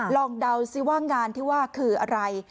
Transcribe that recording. เดาซิว่างานที่ว่าคืออะไร